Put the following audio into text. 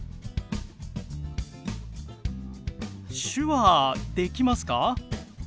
手話できますか？